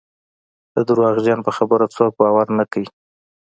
د درواغجن په خبره څوک باور نه کوي.